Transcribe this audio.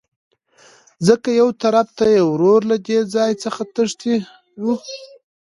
ځکه يوطرف ته يې ورور له دې ځاى څخه تښى وو.